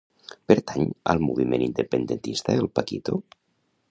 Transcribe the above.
Pertany al moviment independentista el Paquito?